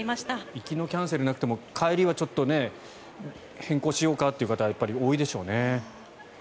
行きのキャンセルなくても帰りは変更しようかっていう方多いでしょうね。